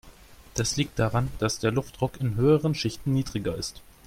Das liegt daran, dass der Luftdruck in höheren Schichten niedriger ist.